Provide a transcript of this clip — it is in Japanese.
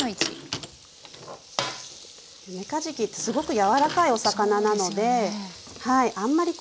めかじきってすごく柔らかいお魚なのであんまり